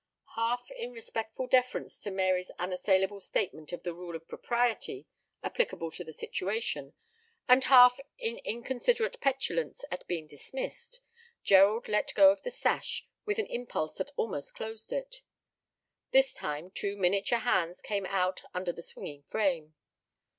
Half in respectful deference to Mary's unassailable statement of the rule of propriety applicable to the situation, and half in inconsiderate petulance at being dismissed, Gerald let go of the sash with an impulse that almost closed it. This time two miniature hands came out under the swinging frame.